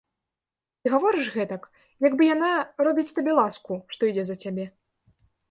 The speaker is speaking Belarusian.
Ты гаворыш гэтак, як бы яна робіць табе ласку, што ідзе за цябе.